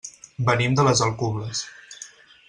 Venim de les Alcubles.